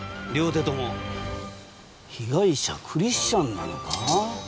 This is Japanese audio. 両手とも被害者クリスチャンなのか？